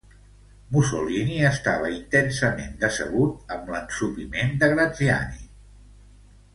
Mussolini estava intensament decebut amb l'ensopiment de Graziani.